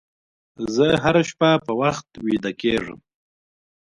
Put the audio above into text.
زه هره شپه په وخت ویده کېږم.